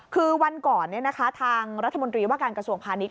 คือวันก่อนทางรัฐมนตรีว่าการกระทรวงพาณิชย